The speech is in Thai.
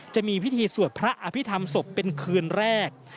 จะมีพิธีสวดพระอภิษฐรรมศพเป็นคืนแรก